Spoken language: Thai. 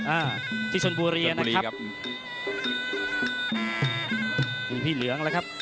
อ่าที่ชนบูรีย์นะครับ